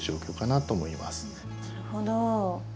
なるほど。